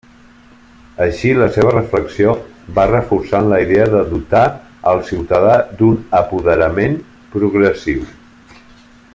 Així, la seva reflexió va reforçant la idea de dotar el ciutadà d'un apoderament progressiu.